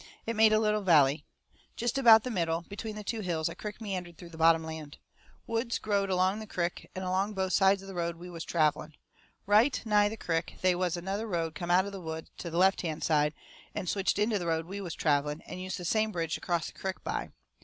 It made a little valley. Jest about the middle, between the two hills, a crick meandered through the bottom land. Woods growed along the crick, and along both sides of the road we was travelling. Right nigh the crick they was another road come out of the woods to the left hand side, and switched into the road we was travelling, and used the same bridge to cross the crick by.